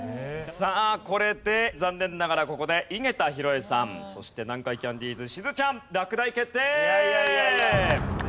さあこれで残念ながらここで井桁弘恵さんそして南海キャンディーズしずちゃん落第決定！